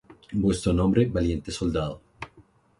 Vuestros nombres valientes soldados,